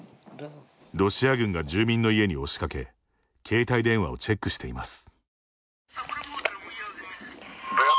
ロシア軍が住民の家に押しかけ携帯電話をチェックしています。